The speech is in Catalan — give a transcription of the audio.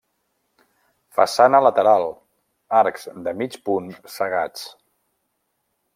Façana lateral, arcs de mig punt cegats.